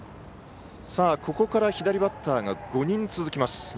ここから左バッターが５人続きます。